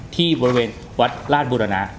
ที่บริเวณวัดราชบุรณะ